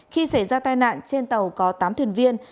khi xảy ra tai nạn trên tàu có tám thuyền viên